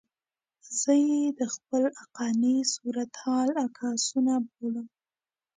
زه یې د خپل عقلاني صورتحال عکسونه بولم.